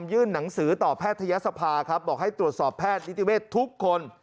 ยื่นหนังสือต่อแพทยศภาครับบอกให้ตรวจสอบแพทย์นิติเวศทุกคน